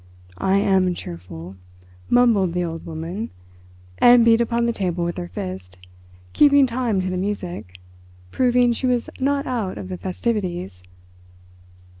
"I am cheerful," mumbled the old woman, and beat upon the table with her fist, keeping time to the music, proving she was not out of the festivities.